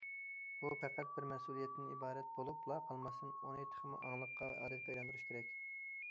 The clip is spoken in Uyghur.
بۇ پەقەت بىر مەسئۇلىيەتتىن ئىبارەت بولۇپلا قالماستىن، ئۇنى تېخىمۇ ئاڭلىقلىققا ۋە ئادەتكە ئايلاندۇرۇش كېرەك.